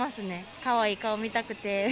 かわいい顔見たくて。